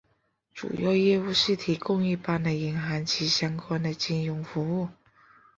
主要业务是提供一般的银行及相关的金融服务。